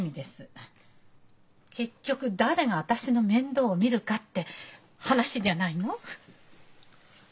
結局誰が私の面倒を見るかって話じゃないの？